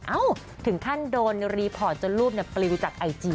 เอ้าถึงท่านโดนรีพอร์ตจนรูปเนี่ยปลิวจากไอจีเลยค่ะ